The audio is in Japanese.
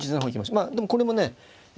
まあでもこれもねえ